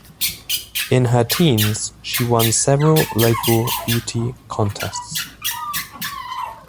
In her teens, she won several local beauty contests.